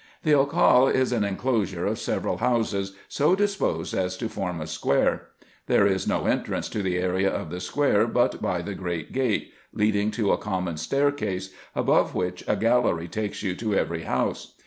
The Occale is an enclosure of several houses, so disposed as to form a square. There is no entrance to the area of the square but by the great gate, leading to a common staircase, above which a gal lery takes you to every house.